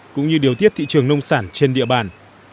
cũng như điều tiết thị trường nông sản trên địa bàn